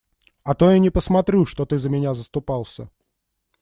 А то я не посмотрю, что ты за меня заступался.